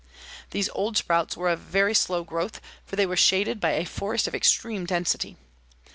These old sprouts were of very slow growth, for they were shaded by a forest of extreme density.